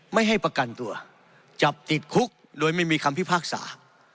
ไม่ให้ประกันตัวจับติดคุกโดยไม่มีคำพิพากษา